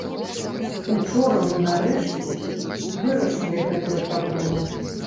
Учора мы, нарэшце, вырашылі гэтую праблему.